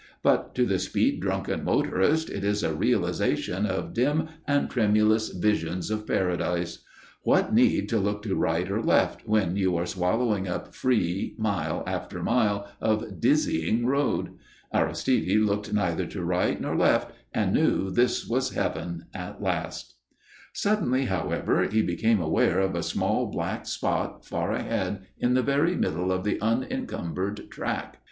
But to the speed drunken motorist it is a realization of dim and tremulous visions of Paradise. What need to look to right or left when you are swallowing up free mile after mile of dizzying road? Aristide looked neither to right nor left, and knew this was heaven at last. [Illustration: BETWEEN THE FOLDS OF THE BLANKET PEEPED THE FACE OF A SLEEPING CHILD] Suddenly, however, he became aware of a small black spot far ahead in the very middle of the unencumbered track.